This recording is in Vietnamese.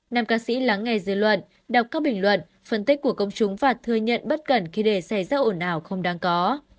nam ca sĩ lắng nghe dư luận đọc các bình luận phân tích của công chúng và thừa nhận bất cẩn khi để xảy ra ổn nào không đáng có